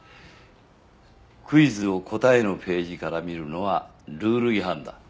クイズを答えのページから見るのはルール違反だ。